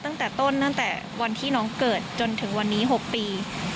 ตั้งแต่ต้นตั้งแต่วันที่น้องเกิดจนถึงวันนี้๖ปี